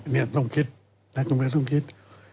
นี้ต้องคิดนักการเมืองต้องคิด